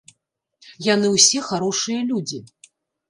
Яны ўсе харошыя людзі.